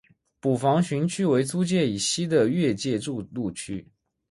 捕房巡区为租界以西的越界筑路区。